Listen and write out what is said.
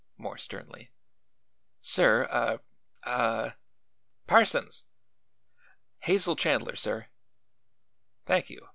more sternly. "Sir, a a " "Parsons!" "Hazel Chandler, sir." "Thank you.